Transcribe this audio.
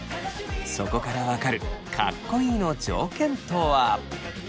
そこから分かるかっこいいの条件とは？